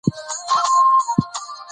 او تقاعد ته سوق دي